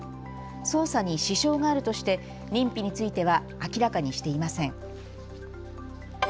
捜査に支障があるとして認否については明らかにしていません。